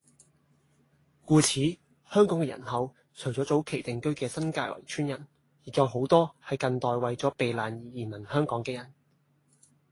故此香港嘅人口除咗早期定居嘅新界圍村人，亦有好多係近代為咗避難而移民香港嘅人